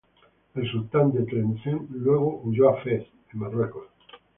El sultán de Tlemcen luego huyó a Fez en Marruecos.